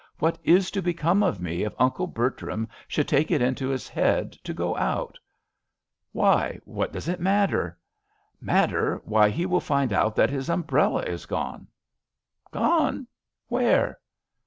What is to become of me if Uncle Bertram should take it into his head to go out ?"" Why, what does it matter? "" Matter ! Why he will find out that his umbrella is gone." "Gone! Where?"